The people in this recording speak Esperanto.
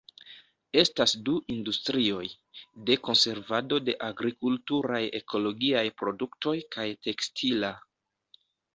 Estas du industrioj: de konservado de agrikulturaj ekologiaj produktoj kaj tekstila.